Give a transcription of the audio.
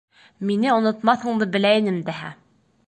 — Мине онотмаҫыңды белә инем дәһә!